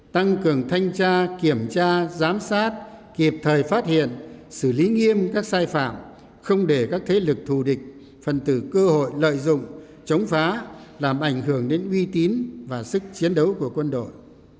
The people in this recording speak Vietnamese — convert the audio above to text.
tăng cường thanh tra kiểm tra giám sát kịp thời phát hiện xử lý nghiêm các sai phạm không để các thế lực thù địch phần tử cơ hội lợi dụng chống phá làm ảnh hưởng đến uy tín và sức chiến đấu của quân đội